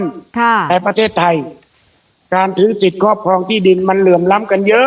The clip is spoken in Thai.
ค่ะในประเทศไทยการถือสิทธิ์ครอบครองที่ดินมันเหลื่อมล้ำกันเยอะ